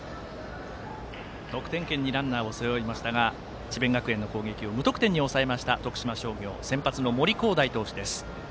得点圏にランナーを背負いましたが智弁学園の攻撃を無得点に抑えました徳島商業、先発の森煌誠投手です。